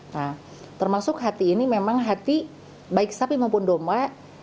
nah termasuk hati ini memang hati baik sapi maupun domba